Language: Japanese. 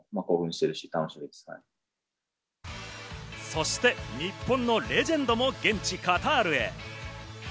そして、日本のレジェンドも現地・カタールへ。